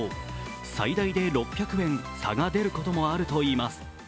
最大で６００円、差が出ることもあるといいます。